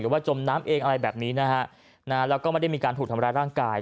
ว่าจมน้ำเองอะไรแบบนี้นะฮะแล้วก็ไม่ได้มีการถูกทำร้ายร่างกาย